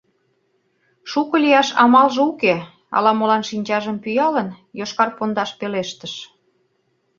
— Шуко лияш амалже уке, — ала-молан шинчажым пӱялын, «йошкар пондаш» пелештыш.